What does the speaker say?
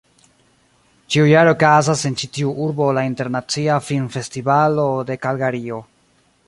Ĉiujare okazas en ĉi tiu urbo la Internacia Film-Festivalo de Kalgario.